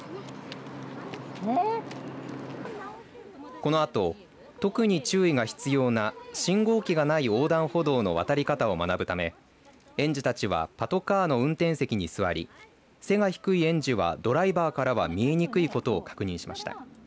このあと特に注意が必要な信号機がない横断歩道の渡り方を学ぶため園児たちはパトカーの運転席に座り背が低い園児はドライバーからは見えにくいことを確認しました。